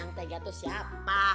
yang tega tuh siapa